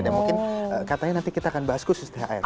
dan mungkin katanya nanti kita akan bahas khusus thr